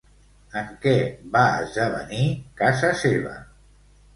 En què va esdevenir casa seva?